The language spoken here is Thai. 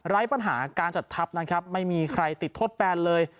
ปัญหาการจัดทัพนะครับไม่มีใครติดทดแบนเลย